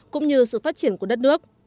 cũng như sự phát triển của đất nước